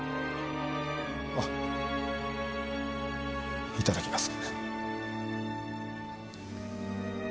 あいただきます。